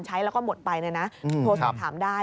ใช้แล้วก็หมดไปเลยนะโทรสอบถามได้